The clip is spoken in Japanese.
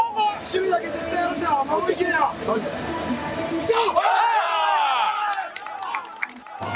いくぞ！